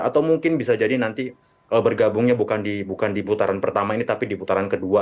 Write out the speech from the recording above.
atau mungkin bisa jadi nanti bergabungnya bukan di putaran pertama ini tapi di putaran kedua